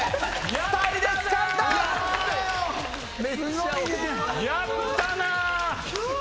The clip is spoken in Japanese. やったなぁ。